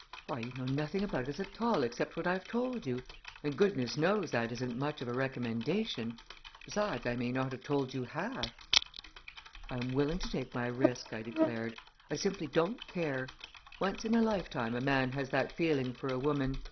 Why, you know nothing about us at all except what I've told you, and goodness knows that isn't much of a recommendation! Besides, I may not have told you half!" "I am willing to take my risk," I declared. "I simply don't care. Once in a lifetime a man has that feeling for a woman.